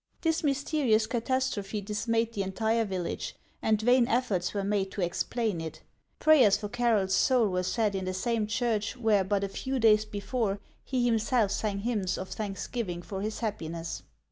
This mysterious catastrophe dismayed the entire village, and vain efforts were made to explain it. Prayers for Carroll's soul were said in the same church where but a few days before he himself sang hymns of thanksgiving for his happiness.